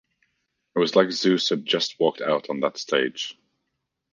It was like Zeus had just walked out on that stage.